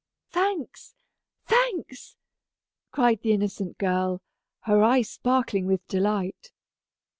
"Thanks thanks," cried the innocent girl, her eyes sparkling with delight.